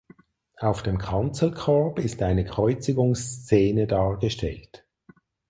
Auf dem Kanzelkorb ist eine Kreuzigungsszene dargestellt.